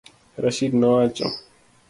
Rashid nowacho